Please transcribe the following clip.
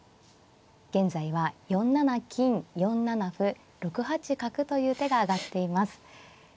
現在は４七金４七歩６八角という手が挙がっています。